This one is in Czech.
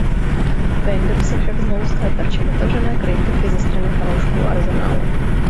Wenger se však znovu stal terčem otevřené kritiky ze strany fanoušků Arsenalu.